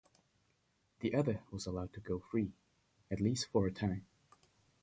The other was allowed to go free, at least for a time.